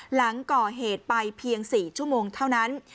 หลังก่อเหตุไปเพียง๔ชั่วโมงเท่านั้น